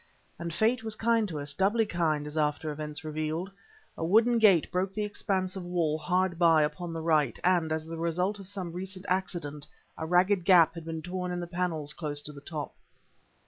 And Fate was kind to us doubly kind as after events revealed. A wooden gate broke the expanse of wall hard by upon the right, and, as the result of some recent accident, a ragged gap had been torn in the panels close to the top.